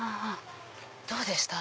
どうでした？